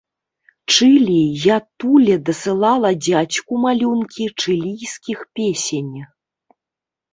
Чылі і адтуль дасылала дзядзьку малюнкі чылійскіх песень.